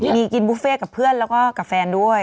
มีกินบุฟเฟ่กับเพื่อนแล้วก็กับแฟนด้วย